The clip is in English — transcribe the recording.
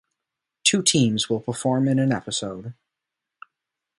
Two teams will perform in an episode.